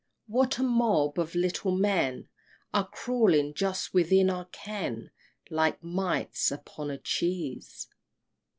what a mob of little men Are crawling just within our ken, Like mites upon a cheese!